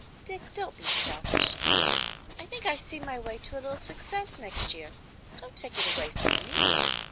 Dick, don't be selfish. I think I see my way to a little success next year. Don't take it away from me."